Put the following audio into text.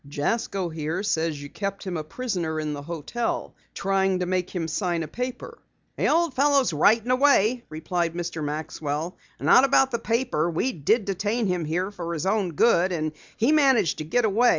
"Jasko here says you kept him a prisoner in the hotel, trying to make him sign a paper." "The old fellow is right in a way," replied Mr. Maxwell. "Not about the paper. We did detain him here for his own good, and he managed to get away.